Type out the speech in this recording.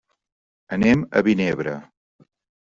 Anem a Vinebre.